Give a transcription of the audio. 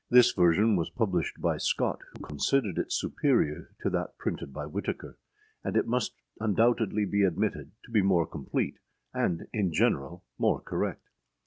This version was published by Scott, who considered it superior to that printed by Whitaker; and it must undoubtedly be admitted to be more complete, and, in general, more correct.